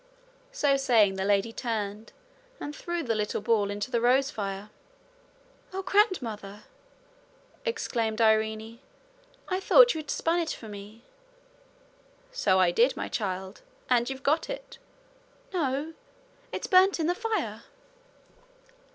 So saying, the lady turned, and threw the little ball into the rose fire. 'Oh, grandmother!' exclaimed Irene; 'I thought you had spun it for me.' 'So I did, my child. And you've got it.' 'No; it's burnt in the fire!'